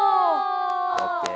オッケー。